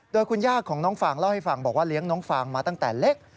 โดยคุณย่าของน้องฟางเล่าให้ฟังบอกว่าเลี้ยงน้องฟางมาตั้งแต่เล็ก